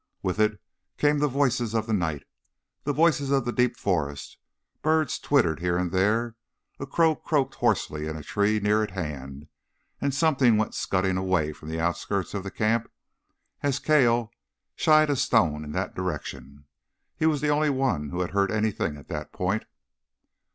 With it came the voices of the night, the voices of the deep forest. Birds twittered here and there, a crow croaked hoarsely in a tree near at hand, and something went scudding away from the outskirts of the camp as Cale shied a stone in that direction. He was the only one who had heard anything at that point.